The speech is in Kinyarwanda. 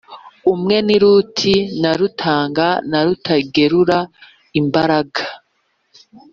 Umwe ni Ruti na Rutanga na Rutagerura imbaraga,